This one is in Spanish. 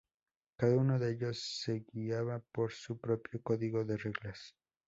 Cada uno de ellos se guiaba por su propio código de reglas.